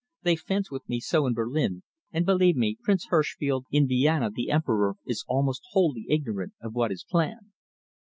They fence with me so in Berlin, and, believe me, Prince Herschfeld, in Vienna the Emperor is almost wholly ignorant of what is planned."